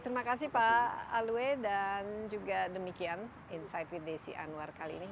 terima kasih pak alwe dan juga demikian insight with desi anwar kali ini